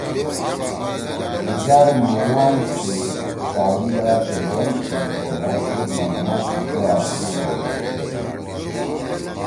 گلزار ملن سی شاعری دا چیر گن چھی خو مھو صرف نمونا سی کیا دُو ڙو لیِگیِدی۔